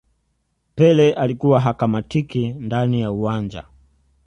pele alikuwa hakamatiki ndani ya uwanja